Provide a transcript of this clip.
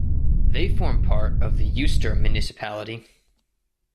They form part of the Eystur municipality.